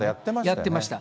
やってました。